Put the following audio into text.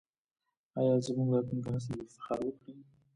آیا زموږ راتلونکی نسل به افتخار وکړي؟